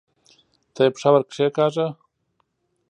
ته یې پښه ورکښېکاږه!